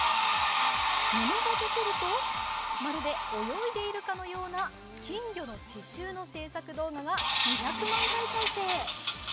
布が溶けると、まるで泳いでいるかのような金魚の刺しゅうの制作動画が２００万回再生。